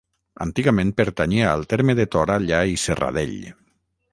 Antigament pertanyia al terme de Toralla i Serradell.